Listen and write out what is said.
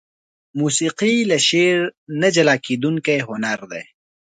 موسيقي له شعر نه جلاکيدونکى هنر دى.